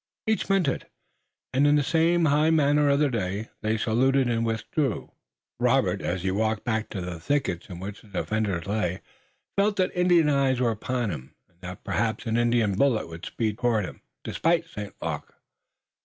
Each meant it, and, in the same high manner of the day, they saluted and withdrew. Robert, as he walked back to the thickets in which the defenders lay, felt that Indian eyes were upon him, and that perhaps an Indian bullet would speed toward him, despite St. Luc.